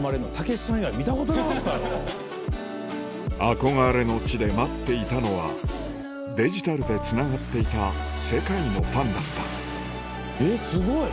憧れの地で待っていたのはデジタルでつながっていた世界のファンだったえっすごい！